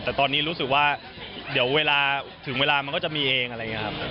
แต่ตอนนี้รู้สึกว่าเดี๋ยวเวลาถึงเวลามันก็จะมีเองอะไรอย่างนี้ครับ